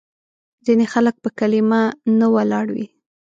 ځینې خلک په کلیمه نه ولاړ وي.